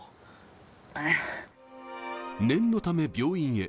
念のため、病院へ。